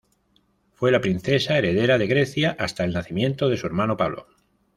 Fue la princesa heredera de Grecia hasta el nacimiento de su hermano Pablo.